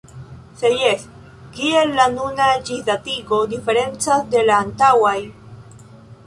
Se jes, kiel la nuna ĝisdatigo diferencas de la antaŭaj?